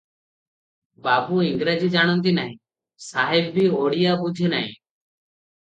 ବାବୁ ଇଂରାଜୀ ଜାଣନ୍ତି ନାହିଁ - ସାହେବ ବି ଓଡ଼ିଆ ବୁଝେ ନାହିଁ ।